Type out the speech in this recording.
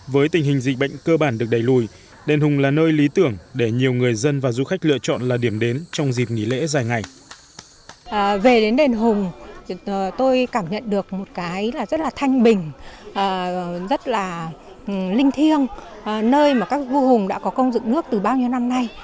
với tình hình dịch bệnh cơ bản được đẩy lùi đền hùng là nơi lý tưởng để nhiều người dân và du khách lựa chọn là điểm đến trong dịp nghỉ lễ dài ngày